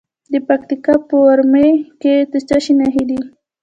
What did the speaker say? د پکتیکا په ورممی کې د څه شي نښې دي؟